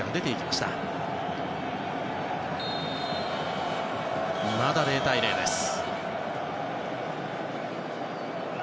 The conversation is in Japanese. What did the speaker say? まだ０対０です。